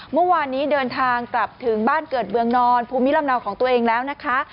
เมื่อวานนี้เดินทางกลับถึงบ้านเกิดเมืองนอนภูมิลำเนาของตัวเองแล้วนะคะ